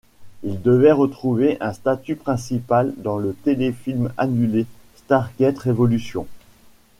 Il devait retrouver un statut principal dans le téléfilm annulé Stargate Revolution.